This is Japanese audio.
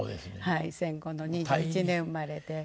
戦後の２１年生まれで。